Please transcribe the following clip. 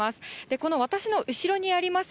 この私の後ろにあります